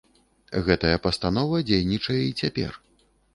Гэтая пастанова дзейнічае і цяпер.